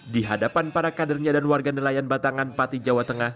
di hadapan para kadernya dan warga nelayan batangan pati jawa tengah